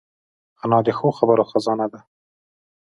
انا د ښو خبرو خزانه ده